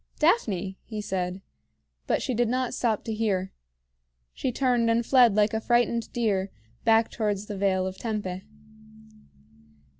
"Daphne!" he said; but she did not stop to hear. She turned and fled like a frightened deer, back towards the Vale of Tempe.